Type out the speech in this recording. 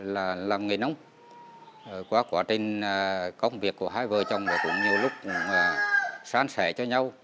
về đó qua quá trình công việc của hai vợ chồng cũng nhiều lúc sáng sẻ cho nhau